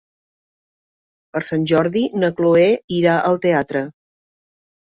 Per Sant Jordi na Chloé irà al teatre.